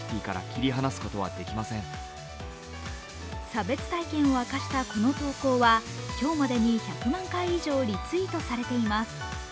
差別体験を明かしたこの投稿は今日までに１００万回以上リツイートされています。